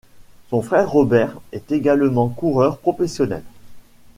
Son frère Robert est également coureur professionnel.